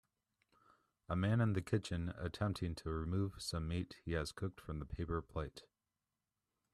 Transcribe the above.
A man in the kitchen attempting to remove some meat he has cooked from the paper plate.